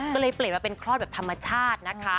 ก็เลยเปลี่ยนมาเป็นคลอดแบบธรรมชาตินะคะ